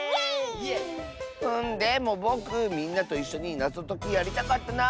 でもぼくみんなといっしょになぞときやりたかったなあ。